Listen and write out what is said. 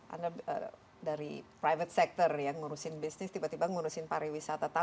anda dari private sector yang ngurusin bisnis tiba tiba ngurusin pariwisata